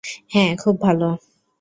হ্যাঁ, খুব ভাল।